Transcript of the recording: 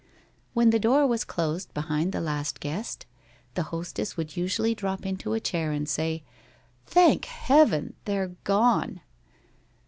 When the door was closed behind the last guest, the hostess would usually drop into a chair and say: "Thank Heaven! They're gone!"